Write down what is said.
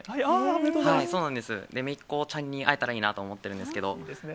めいっ子ちゃんに会えたらいいなと思ってるんですけど。